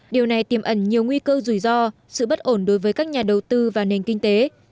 điều này tiềm ẩn nhiều nguy cơ rủi ro sự bất ổn đối với các nhà đầu tư và nền kinh tế